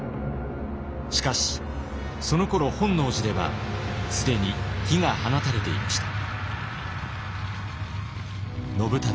しかしそのころ本能寺では既に火が放たれていました。